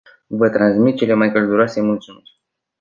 Vă transmit cele mai călduroase mulțumiri.